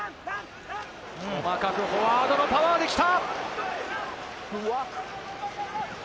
細かくフォワードのパワーできた。